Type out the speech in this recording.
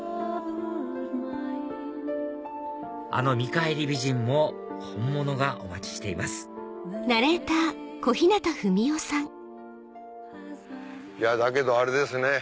あの『見返り美人』も本物がお待ちしていますだけどあれですね。